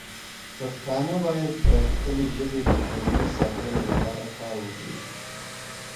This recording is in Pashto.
پښتانه باید د خپلې ژبې د ژوندی ساتلو لپاره کار وکړي.